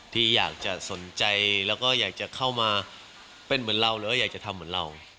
ที่อยากจะสนใจแล้วก็อยากจะเข้ามาเป็นเหมือนเราหรือว่าอยากจะทำเหมือนเรา